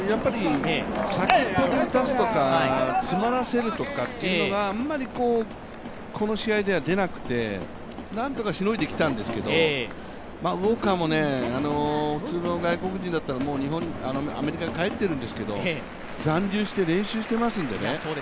先っぽで打たすとか詰まらせるとかっていうのがあんまりこの試合では出なくて何とかしのいできたんですけど、ウォーカーも普通の外国人だったらもう、アメリカに帰っているんですけど残留して練習していますんでね